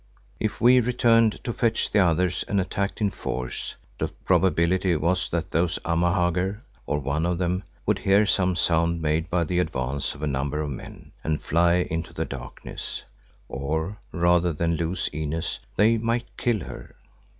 If we returned to fetch the others and attacked in force, the probability was that those Amahagger, or one of them, would hear some sound made by the advance of a number of men, and fly into the darkness; or, rather than lose Inez, they might kill her.